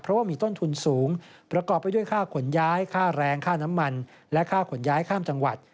เพราะว่ามีต้นทุนสูงประกอบไปด้วยค่าขนย้ายค่าแรงค่าน้ำมันและค่าขนย้ายข้ามจังหวัด